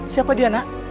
siapa dia nak